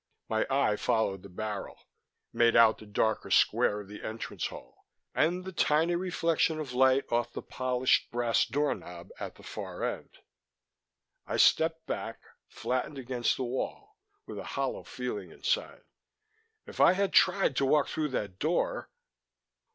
My eye followed the barrel, made out the darker square of the entrance hall, and the tiny reflection of light off the polished brass doorknob at the far end. I stepped back, flattened against the wall, with a hollow feeling inside. If I had tried to walk through that door....